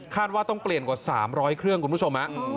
ว่าต้องเปลี่ยนกว่า๓๐๐เครื่องคุณผู้ชม